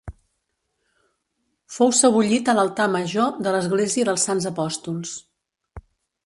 Fou sebollit a l'altar major de l'Església dels Sants Apòstols.